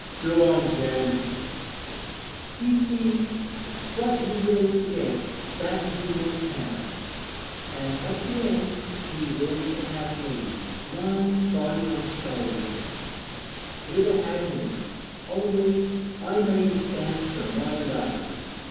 'Go on, Jen.' 'Ye sees, what he willed to get, that he mun have, an' at the end he willed to have me mind, body, an' soäl. He'd 'a had me, only I made a stand fur my life.